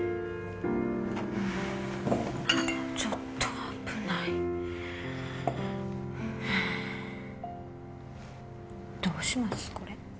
うーん危ないどうしますこれ？